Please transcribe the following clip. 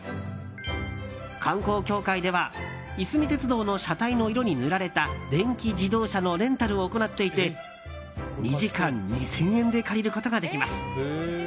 観光協会ではいすみ鉄道の車体の色に塗られた電気自動車のレンタルを行っていて２時間２０００円で借りることができます。